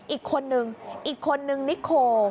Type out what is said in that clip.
อีกคนนึงอีกคนนึงนิโค